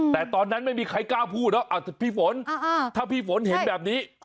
แต่ตอนนั้นไม่มีใครกล้าพูดหรอกพี่ฝนถ้าพี่ฝนเห็นแบบนี้